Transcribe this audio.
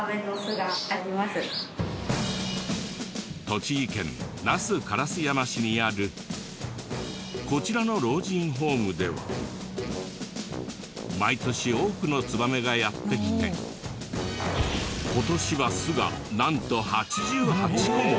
栃木県那須烏山市にあるこちらの老人ホームでは毎年多くのツバメがやって来て今年は巣がなんと８８個も！